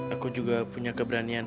aku juga punya keberanian